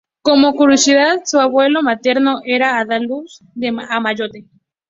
Como curiosidad, su abuelo materno era andaluz, de Ayamonte.